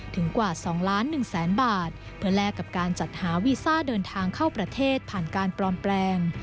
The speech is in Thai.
กว่า๒ล้าน๑แสนบาทเพื่อแลกกับการจัดหาวีซ่าเดินทางเข้าประเทศผ่านการปลอมแปลง